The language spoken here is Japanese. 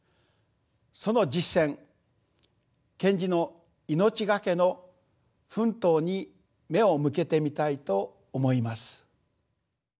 その実践賢治の命懸けの奮闘に目を向けてみたいと思います。